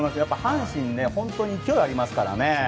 阪神、本当に勢いがありますからね。